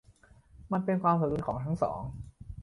มันเป็นความสมดุลของทั้งสอง